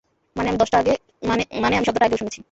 মানে, আমি শব্দটা আগেও শুনেছি।